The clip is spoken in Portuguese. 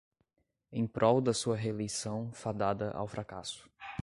Em prol da sua reeleição fadada ao fracasso